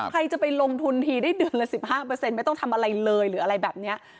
ใครจะไปลงทุนทีได้เดือนละ๑๕ไม่ต้องทำอะไรเลยหรืออะไรแบบนี้